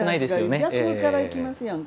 逆からいきますやんか。